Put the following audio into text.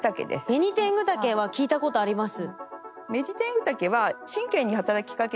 ベニテングタケは聞いたことあります。